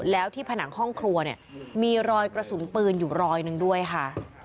แล้วที่ผนังห้องครัวเนี่ยมีรอยกระสุนปืนอยู่รอยหนึ่งด้วยค่ะ